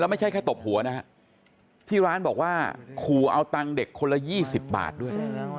ไม่ใช่แค่ตบหัวนะฮะที่ร้านบอกว่าขู่เอาตังค์เด็กคนละ๒๐บาทด้วย